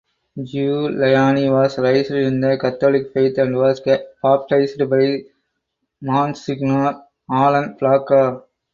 Giuliani was raised in the Catholic faith and was baptized by Monsignor Alan Placa.